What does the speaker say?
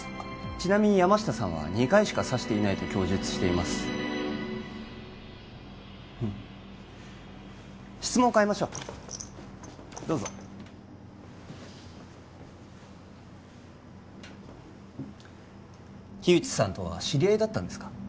ちなみに山下さん２回しか刺してないと供述してる質問を変えましょうどうぞ木内さんとは知り合いだったんですか？